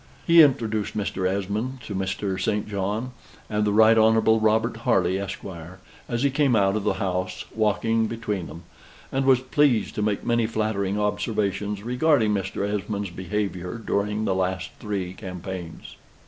He introduced Mr. Esmond to Mr. St. John and the Right Honorable Robert Harley, Esquire, as he came out of the House walking between them; and was pleased to make many flattering observations regarding Mr. Esmond's behavior during the three last campaigns.